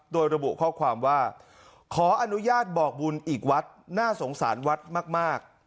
โดยระบุข้อความว่าขออนุญาตบอกบุญอีกวัดน่าสงสารวัดมาก